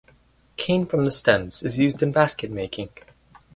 Cane from the stems is used in basket making.